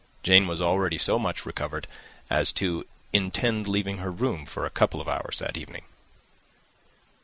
Jane was already so much recovered as to intend leaving her room for a couple of hours that evening.